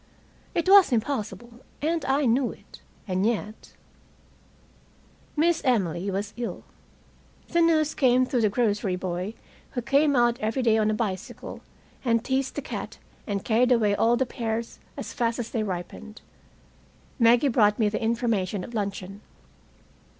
It was impossible, and I knew it. And yet Miss Emily was ill. The news came through the grocery boy, who came out every day on a bicycle, and teased the cat and carried away all the pears as fast as they ripened. Maggie brought me the information at luncheon.